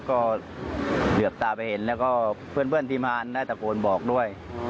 ก็เหลือบตาไปเห็นแล้วก็เพื่อนที่มาได้ตะโกนบอกด้วย